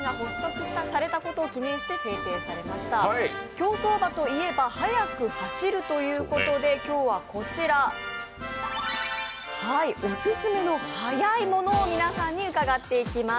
競走馬といえば速く走るということで今日はこちら、オススメのはやいものを皆さんに伺っていきます。